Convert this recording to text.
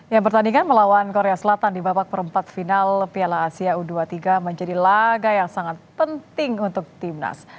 ya pertandingan melawan korea selatan di babak perempat final piala asia u dua puluh tiga menjadi laga yang sangat penting untuk timnas